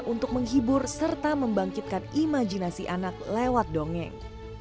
untuk menghibur serta membangkitkan imajinasi anak lewat dongeng